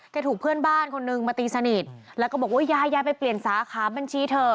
ถูกเพื่อนบ้านคนนึงมาตีสนิทแล้วก็บอกว่ายายยายไปเปลี่ยนสาขาบัญชีเธอ